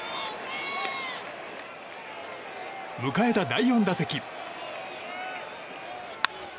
迎えた第４打席。